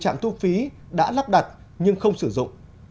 trạm thu phí đã lắp đặt nhưng không sử dụng